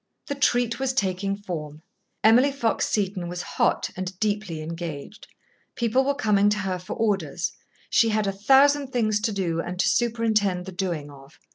The treat was taking form. Emily Fox Seton was hot and deeply engaged. People were coming to her for orders. She had a thousand things to do and to superintend the doing of.